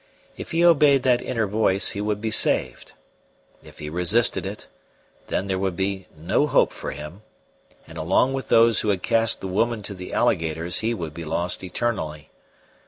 If he obeyed that inner voice, he would be saved; if he resisted it, then there would be no hope for him, and along with those who had cast the woman to the alligators he would be lost eternally.